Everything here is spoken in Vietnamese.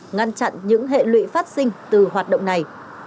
ngăn chặn những hệ lụy phát sinh từ hoạt động này